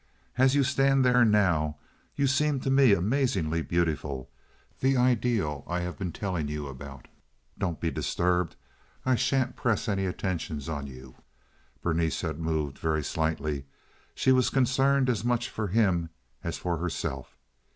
As you stand there now you seem to me amazingly beautiful—the ideal I have been telling you about. Don't be disturbed; I sha'n't press any attentions on you." (Berenice had moved very slightly. She was concerned as much for him as for herself.